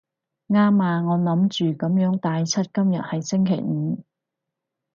啱啊，我諗住噉樣帶出今日係星期五